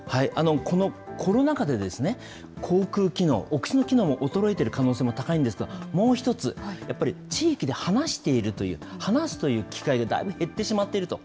このコロナ禍で、口くう機能、お口の機能も衰えている可能性も高いんですが、もう１つやっぱり地域で話しているという、話すという機会がだいぶ減ってしまっていると。